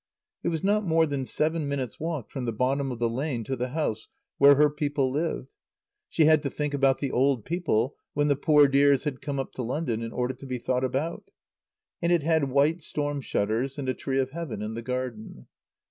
It was not more than seven minutes' walk from the bottom of the lane to the house where her people lived. She had to think about the old people when the poor dears had come up to London in order to be thought about. And it had white storm shutters and a tree of Heaven in the garden.